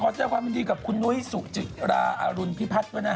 ขอแสดงความบัญชีกับคุณหนุ่ยสุจิราอรุณพิพัทธ์